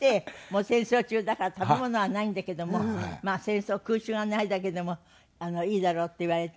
戦争中だから食べ物はないんだけどもまあ戦争空襲がないだけでもいいだろうって言われて。